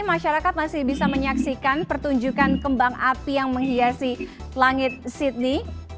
masyarakat masih bisa menyaksikan pertunjukan kembang api yang menghiasi langit sydney